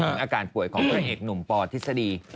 อาการป่วยของพระเอกหนุ่มปอทฤษฎี